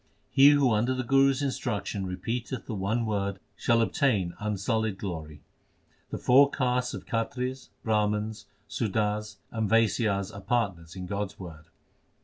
He who under the Guru s instruction repeateth the one Word shall obtain unsullied glory. The four castes of Khatris, Brahmans, Sudars, and Vaisyas are partners in God s word.